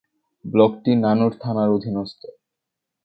ব্লকটি নানুর থানার অধীনস্থ।